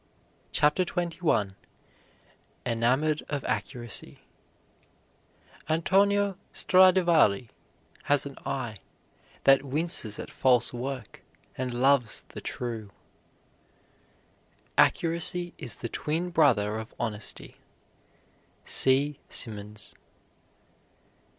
CHAPTER XXI ENAMORED OF ACCURACY "Antonio Stradivari has an eye That winces at false work and loves the true." Accuracy is the twin brother of honesty. C. SIMMONS.